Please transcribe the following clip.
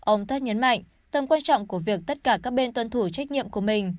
ông ted nhấn mạnh tầm quan trọng của việc tất cả các bên tuân thủ trách nhiệm của mình